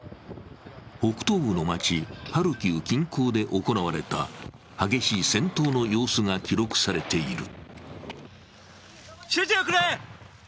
北東部の街、ハルキウ近郊で行われた激しい戦闘の様子が記録されている。